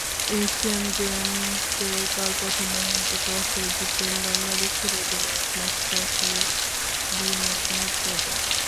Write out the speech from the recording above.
Asian গেমসে কাল প্রথমবারের মতো টসে জিতলেন বাংলাদেশ অধিনায়ক মাশরাফি বিন মুর্তজা।